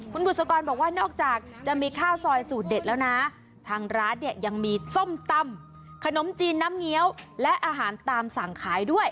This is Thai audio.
คุณบุษกรบอกว่านอกจากจะมีข้าวซอยสูตรเด็ดแล้วนะทางร้านเนี่ยยังมีส้มตำขนมจีนน้ำเงี้ยวและอาหารตามสั่งขายด้วย